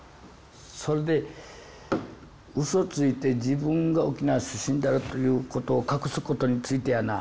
それでうそついて自分が沖縄出身であるということを隠すことについてやな